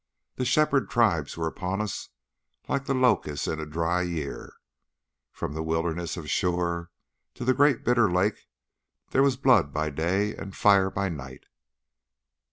The shepherd tribes were upon us like the locusts in a dry year. From the wilderness of Shur to the great bitter lake there was blood by day and fire by night.